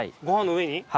ご飯の上に？